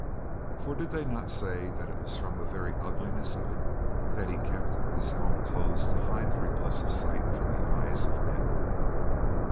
For, did they not say that it was from the very ugliness of it that he kept his helm closed to hide the repulsive sight from the eyes of men!